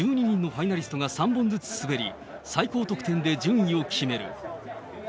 １２人のファイナリストが３本ずつ滑り、最高得点で順位を決める。